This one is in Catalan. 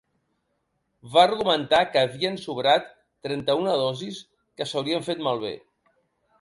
Va argumentar que havien sobrat trenta-una dosis que s’haurien fet malbé.